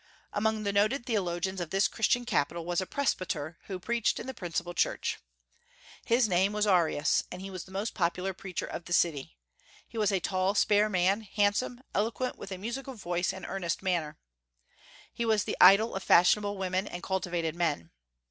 Among the noted theologians of this Christian capital was a presbyter who preached in the principal church. His name was Arius, and he was the most popular preacher of the city. He was a tall, spare man, handsome, eloquent, with a musical voice and earnest manner. He was the idol of fashionable women and cultivated men.